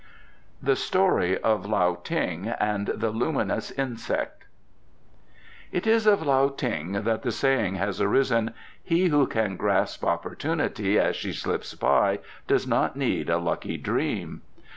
The Story of Lao Ting and the Luminous Insect It is of Lao Ting that the saying has arisen, "He who can grasp Opportunity as she slips by does not need a lucky dream."